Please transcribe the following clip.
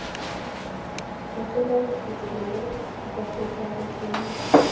Machole akot kitikin akoba betotet ab bosihen nyu